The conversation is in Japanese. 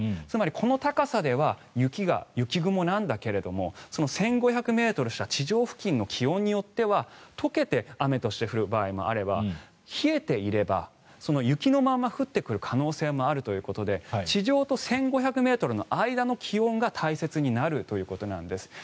つまりこの高さでは雪雲なんだけど１５００ｍ下地上付近の気温によっては解けて雨として降る場合もあれば冷えていれば雪のまま降ってくる可能性もあるということで地上と１５００ｍの間の気温が大切になるということなんです。